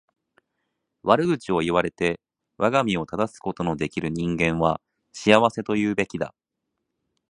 悪口を言われて我が身を正すことの出来る人間は幸せと言うべきだ。